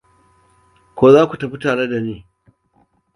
Ko za ku tafi tare da ni?